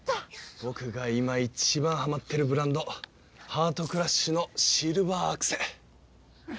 僕が今一番ハマってるブランドハートクラッシュのシルバーアクセ。